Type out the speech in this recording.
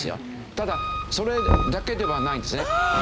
ただそれだけではないんですね。